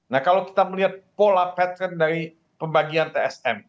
nah kalau kita melihat pola pattern dari pembagian tsm